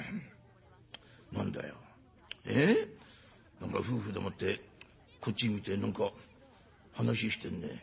何か夫婦でもってこっち見て何か話してるね。